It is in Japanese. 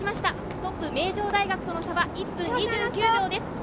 トップ・名城大学との差は１分２９秒です。